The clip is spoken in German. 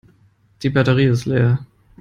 Die Batterie ist leer.